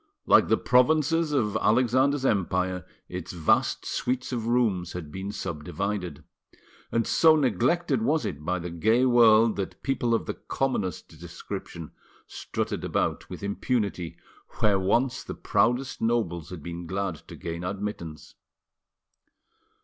Like the provinces of Alexander's empire, its vast suites of rooms had been subdivided; and so neglected was it by the gay world that people of the commonest description strutted about with impunity where once the proudest nobles had been glad to gain admittance.